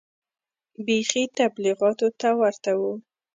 بيخي تبليغيانو ته ورته و.